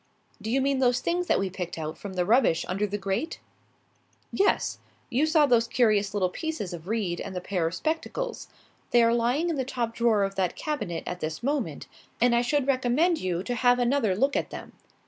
"Do you mean those things that we picked out from the rubbish under the grate?" "Yes. You saw those curious little pieces of reed and the pair of spectacles. They are lying in the top drawer of that cabinet at this moment, and I should recommend you to have another look at them.